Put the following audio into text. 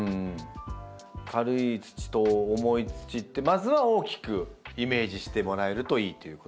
軽い土と重い土ってまずは大きくイメージしてもらえるといいっていうこと。